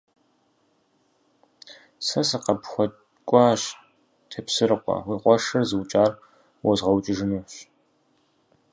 Сэ сыкъыпхуэкӀуащ, Тепсэрыкъуэ, уи къуэшыр зыукӀар уэзгъэукӀыжынущ.